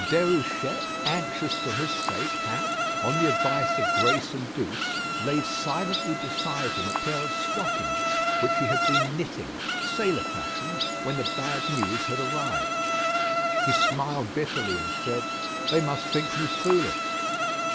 Déruchette, anxious for his sake, had, on the advice of Grace and Douce, laid silently beside him a pair of stockings, which he had been knitting, sailor fashion, when the bad news had arrived. He smiled bitterly, and said: "They must think me foolish."